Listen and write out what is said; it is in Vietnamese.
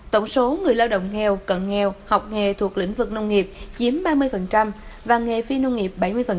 tổng số người lao động nghèo cận nghèo học nghề thuộc lĩnh vực nông nghiệp chiếm ba mươi và nghề phi nông nghiệp bảy mươi